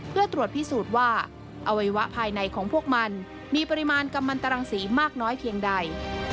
เพื่อตรวจพิสูจน์ว่าอวัยวะภายในของพวกมันมีปริมาณกำมันตรังสีมากน้อยเพียงใด